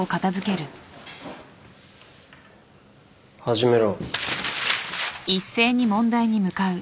始めろ。